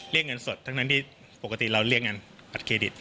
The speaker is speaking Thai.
เรียกเงินสดทั้งนั้นที่ปกติเราเรียกงานบัตรเครดิต